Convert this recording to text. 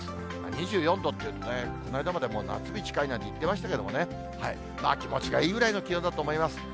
２４度っていうとね、この間まで、もう夏日近いなんて言ってましたけどもね、気持ちがいいぐらいの気温だと思います。